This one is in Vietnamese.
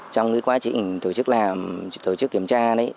trong quá trình tổ chức kiểm tra